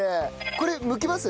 これむきます？